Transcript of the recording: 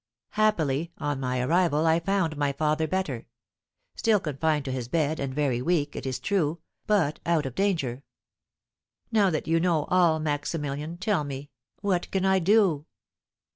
Happily, on my arrival, I found my father better; still confined to his bed, and very weak, it is true, but out of danger. Now that you know all, Maximilian, tell me, what can I do?